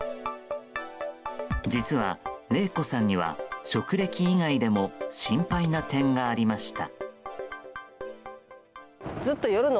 実は、レイコさんには職歴以外でも心配な点がありました。